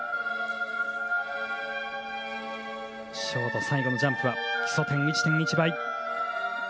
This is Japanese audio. ショート最後のジャンプは基礎点１．１倍。